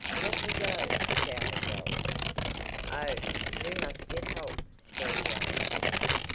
"Let me go!" shouted Ralph. "Oh, we must get help!" screamed Alice.